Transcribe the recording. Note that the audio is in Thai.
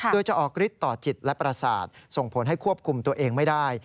โดยจะออกฤทธิ์ต่อจิตและประสาทส่งผลให้ควบคุมตัวเองไม่ได้